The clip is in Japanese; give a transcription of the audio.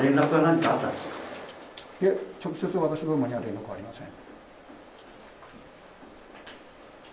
いえ、直接私のほうには連絡はありません。